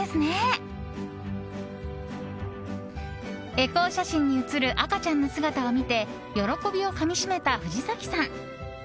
エコー写真に写る赤ちゃんの姿を見て喜びをかみしめた藤崎さん。